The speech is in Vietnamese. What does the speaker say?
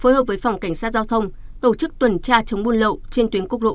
phối hợp với phòng cảnh sát giao thông tổ chức tuần tra chống buôn lậu trên tuyến quốc lộ một